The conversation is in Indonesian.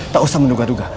tak usah menuga duga